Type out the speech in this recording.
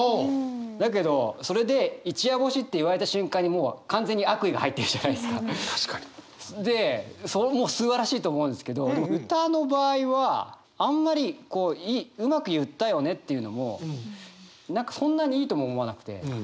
だけどそれで一夜干しって言われた瞬間にもうそれもすばらしいと思うんですけど歌の場合はあんまりうまく言ったよねっていうのも何かそんなにいいとも思わなくて。